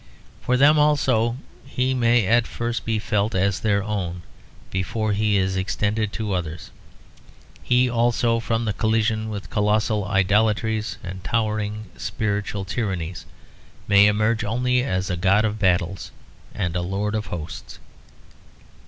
For them also he may at first be felt as their own, before he is extended to others; he also, from the collision with colossal idolatries and towering spiritual tyrannies, may emerge only as a God of Battles and a Lord of Hosts.